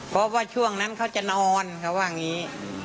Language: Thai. เพราะว่าช่วงนั้นเขาจะนอนเขาว่าอย่างนี้